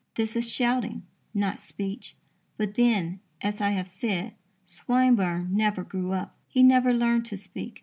This is shouting, not speech. But then, as I have said, Swinburne never grew up. He never learned to speak.